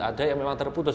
ada yang memang terputus